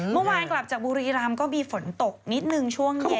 เมื่อวานกลับจากบุรีรำก็มีฝนตกนิดนึงช่วงเย็น